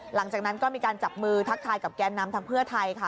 หลังจากนั้นก็มีการจับมือทักทายกับแกนนำทางเพื่อไทยค่ะ